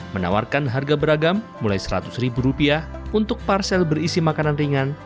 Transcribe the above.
menawarkan harga beragam mulai seratus ribu rupiah untuk parsel berisi makanan ringan